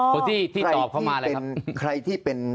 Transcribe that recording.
คนที่ตอบเข้ามาแหละครับ